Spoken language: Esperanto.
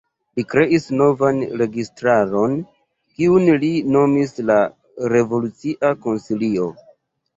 Li kreis novan registaron, kiun li nomis la "Revolucia Konsilio".